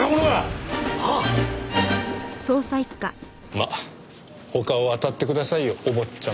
まあ他を当たってくださいよお坊ちゃま。